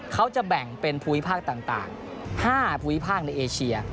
เขาจะแบ่งเป็นภูมิภาคต่าง๕ภูมิภาคในเอเชีย